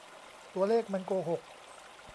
ตัวเลขมันโกหก !